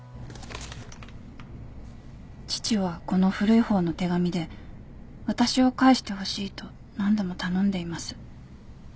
父はこの古い方の手紙で私を返してほしいと何度も頼んでいます。